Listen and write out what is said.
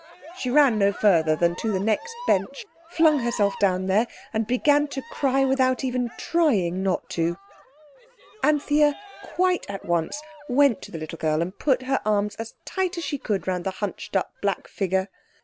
She ran no further than to the next bench, flung herself down there and began to cry without even trying not to. Anthea, quite at once, went to the little girl and put her arms as tight as she could round the hunched up black figure.